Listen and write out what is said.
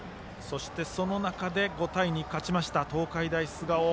その中で５対２と勝ちました東海大菅生。